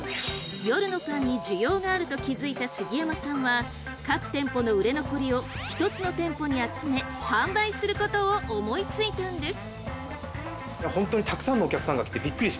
があると気付いた杉山さんは各店舗の売れ残りを一つの店舗に集め販売することを思いついたんです。